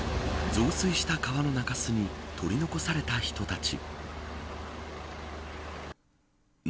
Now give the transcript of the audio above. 増水した川の中州に取り残された人たち。